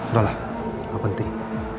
udah lah gak penting